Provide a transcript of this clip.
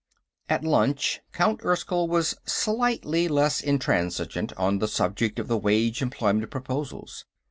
At lunch, Count Erskyll was slightly less intransigent on the subject of the wage employment proposals.